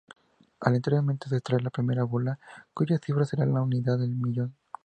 Aleatoriamente se extrae la primera bola, cuya cifra será la unidad del millón.